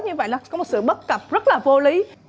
như vậy là có một sự bất cập rất là vô lý